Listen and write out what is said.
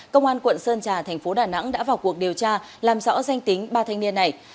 công an quận sơn trà thành phố đà nẵng đã vào cuộc điều tra làm rõ danh tính ba thanh niên này